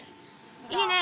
いいね！